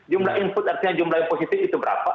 jumlah input artinya jumlah yang positif itu berapa